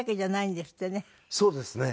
そうですね。